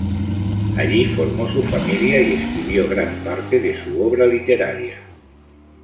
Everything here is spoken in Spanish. Allí formó su familia y escribió gran parte de su obra literaria.